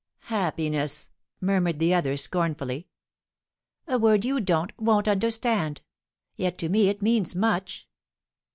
"Happiness!" murmured the other, scornfully. "A word you don't, won't understand. Yet to me it means much.